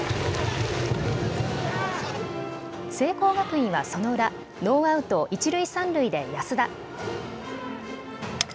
聖光学院はその裏、ノーアウト一塁三塁で安田。